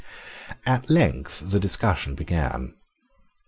At length the discussion began.